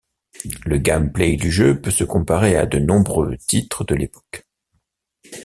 Le gameplay du jeu peut se comparer à de nombreux titres de l'époque.